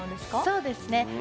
そうですね。